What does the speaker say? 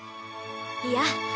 いや。